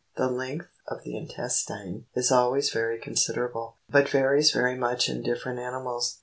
The length of the intestine is always very considerable, but varies very much in different animals.